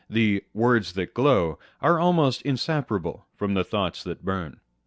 The " words that glow w are almost inseparable from the " thoughts that burn."